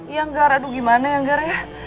ya enggar aduh gimana ya enggar ya